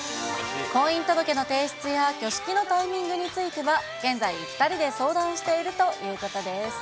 婚姻届の提出や挙式のタイミングについては、現在、２人で相談しているということです。